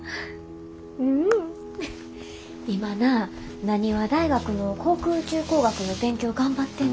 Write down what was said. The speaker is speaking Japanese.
うん今な浪速大学の航空宇宙工学の勉強頑張ってんねんて。